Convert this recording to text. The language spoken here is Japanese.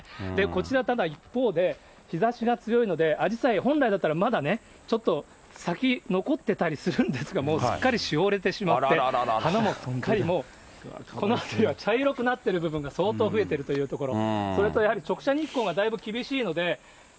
こちら、ただ一方で、日ざしが強いので、あじさい、本来だったらまだね、ちょっと咲き残ってたりするんですが、もうすっかりしおれてしまって、花もすっかりもう、この辺りは茶色くなっている部分が相当増えているというところ。